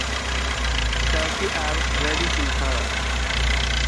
Tarsi are reddish in color.